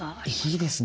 いいですね。